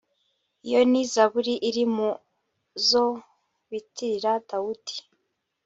iyo ni zaburi iri mu zo bitirira dawudi